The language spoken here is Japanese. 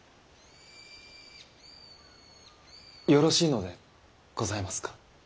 よろしいのでございますか？